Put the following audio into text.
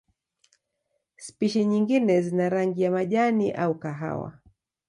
Spishi nyingine zina rangi ya majani au kahawa.